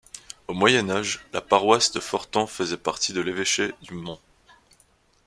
Au Moyen Âge, la paroisse de Fortan faisait partie de l'évêché du Mans.